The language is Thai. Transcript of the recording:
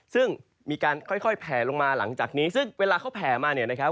ซึ่งมีการค่อยแผลลงมาหลังจากนี้ซึ่งเวลาเขาแผ่มาเนี่ยนะครับ